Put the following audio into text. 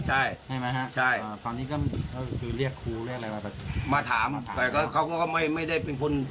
ใช่ไหมฮะใช่ตอนนี้ก็คือเรียกครูเรียกอะไรมาถามแต่ก็เขาก็ไม่ได้เป็นคน